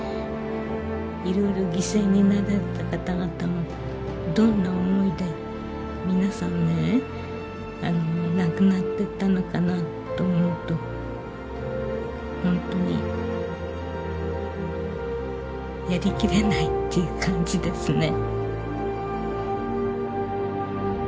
いろいろ犠牲になられた方々もどんな思いで皆さんね亡くなってったのかなと思うと本当にやりきれないっていう感じですね。